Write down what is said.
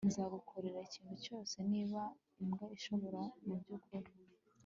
nzagukorera ikintu cyose 'niba imbwa ishobora mubyukuri